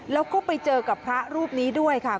แล้วก็ไปเจอกับพระรูปนี้ด้วยค่ะ